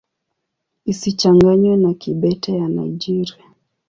Isichanganywe na Kibete ya Nigeria.